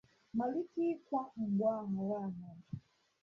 malite ịkwa mgbọ aghara aghara.